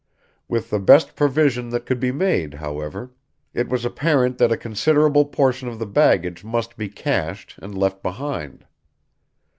With the best provision that could be made, however, it was apparent that a considerable portion of the baggage must be cached and left behind.